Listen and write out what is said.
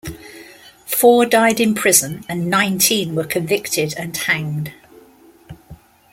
Four died in prison and nineteen were convicted and hanged.